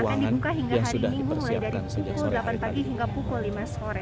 dan akan dibuka hingga hari ini mulai dari pukul delapan pagi hingga pukul lima sore